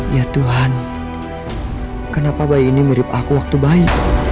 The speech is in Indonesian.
ya tuhan kenapa bayi ini mirip aku waktu bayi